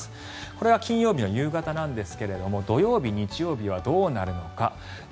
これは金曜日の夕方なんですが土曜日、日曜日はどうなるのか。